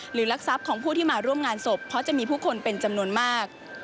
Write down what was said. ลักทรัพย์ของผู้ที่มาร่วมงานศพเพราะจะมีผู้คนเป็นจำนวนมาก